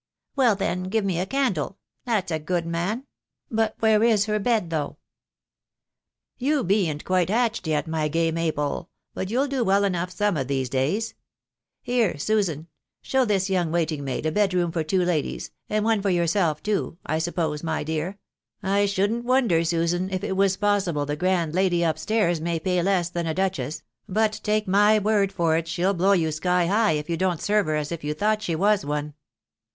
" Well, then, give me a candle,— that's a good man. ... But where is her bed, though ?"" You bean't quite hatched yet, my gay maypole, but you'll do well enough some of these days .... Here, Susan !. show this young waiting maid a bed room for two ladies— and one for yourself too, I suppose, my dear. I shouldn't wonder, Susan, if it .was possible the grand lady up stairs may pay lass than a duchess ; but. take my word for it shell blow you, sky high, if you don't serve her as if you thought she was one."